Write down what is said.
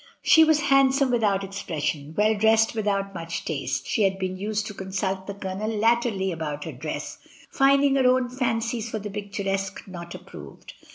She was handsome without expression, well dressed with DAY BY DAY. 253 out much taste. She had been used to consult the Colonel latterly about her dress, finding her own fancies for the picturesque not approved.